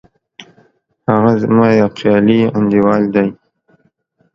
هغه زما یو خیالي انډیوال دی